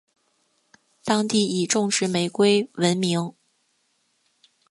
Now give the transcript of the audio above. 当地以种植玫瑰闻名。